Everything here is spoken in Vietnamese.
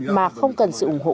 mà không cần sự ủng hộ